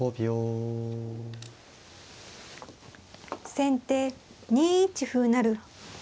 先手２一歩成。